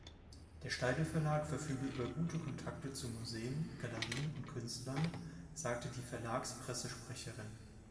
Der Steidl-Verlag verfüge über gute Kontakte zu Museen, Galerien und Künstlern, sagte die Verlags-Pressesprecherin.